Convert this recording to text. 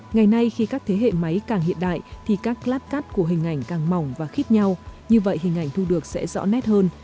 ngày nay khi các thế hệ máy càng hiện đại thì các lát cắt của hình ảnh càng mỏng và khít nhau như vậy hình ảnh thu được sẽ rõ nét hơn